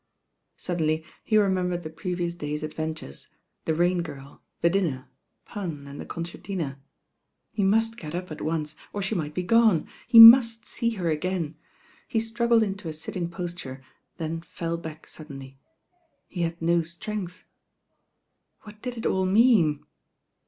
Suddenly he remembered the previous day's ad ventures, the Rain Girl, the <Hnner, Pan, and ^e concertina. He must get up at once, or she mig^ be gone. He must see her again. He struggled into a sitdng posture, ^en fell back suddeiUy. He had no strength. What did it all mean?